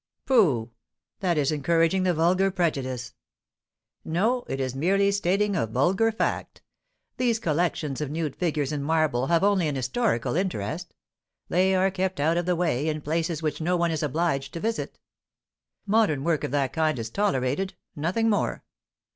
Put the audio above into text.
"Pooh! That is encouraging the vulgar prejudice." "No; it is merely stating a vulgar fact. These collections of nude figures in marble have only an historical interest. They are kept out of the way, in places which no one is obliged to visit. Modern work of that kind is tolerated, nothing more.